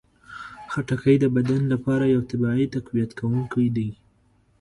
خټکی د بدن لپاره یو طبیعي تقویت کوونکی دی.